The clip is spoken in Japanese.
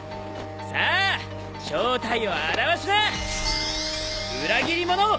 さあ正体を現しな裏切り者！